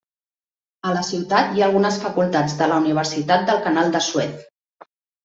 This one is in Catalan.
A la ciutat hi ha algunes facultats de la Universitat del Canal de Suez.